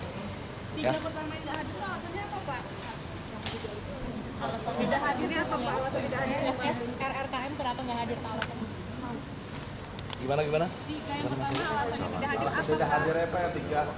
tiga pertama yang tidak hadir itu alasannya apa pak